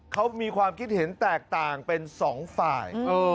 เขามีความคิดเห็นแตกต่างเป็นสองฝ่าย